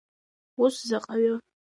Ус заҟаҩы.